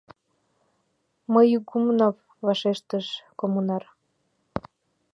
— Мый, Игумнов! — вашештыш коммунар.